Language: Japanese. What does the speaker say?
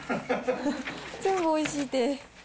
全部おいしいて。